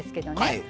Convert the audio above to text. はい。